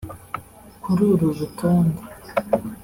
Kuri uru rutonde